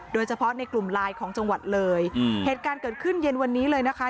โดยเฉพาะในกลุ่มไลน์ของจังหวัดเลยเหตุการณ์เกิดขึ้นเย็นวันนี้เลยนะคะ